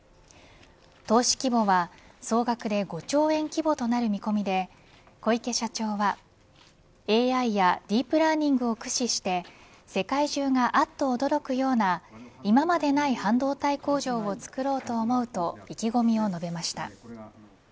投資規模は総額で５兆円規模となる見込みで小池社長はＡＩやディープラーニングを駆使して世界中があっと驚くような今までない半導体工場を作ろうと思うと意気込みを述べました。